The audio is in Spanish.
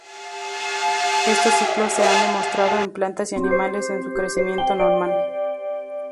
Estos ciclos se han demostrado en plantas y animales en su crecimiento normal.